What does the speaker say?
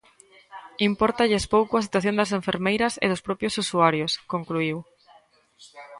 "Impórtalles pouco a situación das enfermeiras e dos propios usuarios", concluíu.